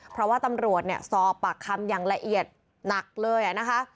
เพราะว่าตำรวจเนี่ยสอบปากคำอย่างละเอียดหนักเลยนะคะ